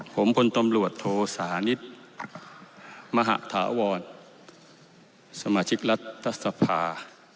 ผมคนตำรวจโทษศาลิศมหาธาวรสมาชิกรัฐธรรพา